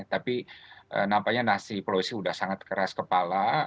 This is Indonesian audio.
tapi nampaknya nasi pelosi sudah sangat keras kepala